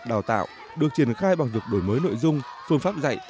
đào tạo được triển khai bằng việc đổi mới nội dung phương pháp dạy